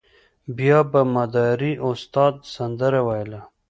بیا به مداري استاد سندره ویله.